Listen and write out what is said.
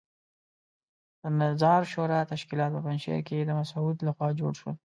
د نظار شورا تشکیلات په پنجشیر کې د مسعود لخوا جوړ شول.